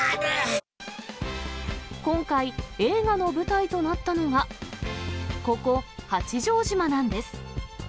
今回、映画の舞台となったのは、ここ、八丈島なんです。